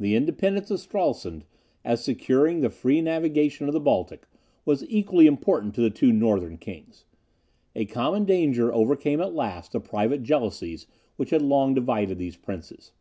The independence of Stralsund, as securing the free navigation of the Baltic, was equally important to the two Northern kings. A common danger overcame at last the private jealousies which had long divided these princes.